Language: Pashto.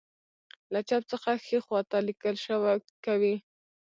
له چپ څخه ښی خواته لیکل کوي.